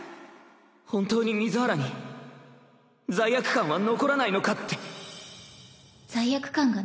本当に水原に罪悪感は残らないのかって